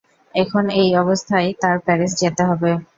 এখন এই অবস্থায় তার প্যারিস যেতে হবে!